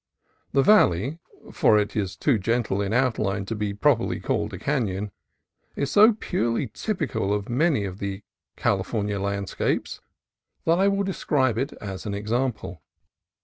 The valley — for it is too gentle in outline to be properly called a canon — is so purely typical of many of the California landscapes that I will de A TYPICAL CALIFORNIA CANON 23 scribe it as an example.